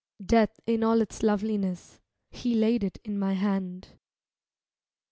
Death in all loveliness, he laid it in my hand.